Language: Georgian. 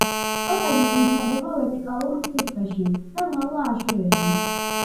ტოტები უვითარდება ვერტიკალურ სიბრტყეში და მაღლა აშვერილი.